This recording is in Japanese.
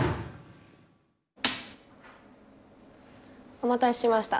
お待たせしました。